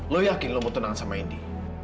lo yakin lo mau tenangan sama ndi